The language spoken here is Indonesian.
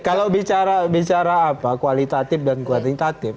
kalau bicara kualitatif dan kuantitatif